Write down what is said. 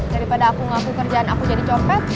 daripada aku ngaku kerjaan aku jadi copet